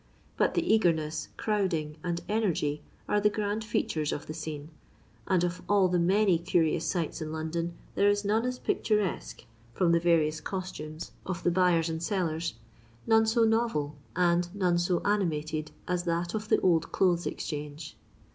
But the eagerness, crowding, and eneigy, are the grand features of the scene ; and of all the many curious sights in London there is none m pictufosquo (from the various coatumei of the buyers and sellers), none so novel, and none so animated as that of the Old Clothes Bxchange.